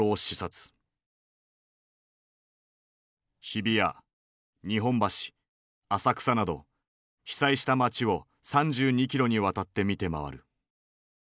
日比谷日本橋浅草など被災した街を３２キロにわたって見て回る。